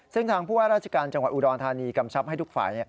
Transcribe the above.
ซึ่งทางพรจังหวัดอุดรณฑานีกำชับให้ทุกฝ่าย